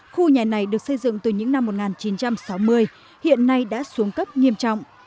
khu nhà này được xây dựng từ những năm một nghìn chín trăm sáu mươi hiện nay đã xuống cấp nghiêm trọng